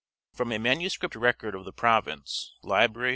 From a manuscript record of the province (Lib, N.